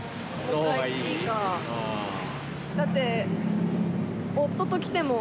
だって。